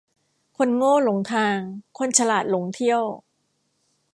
คนโง่หลงทางคนฉลาดหลงเที่ยว